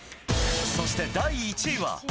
そして、第１位は。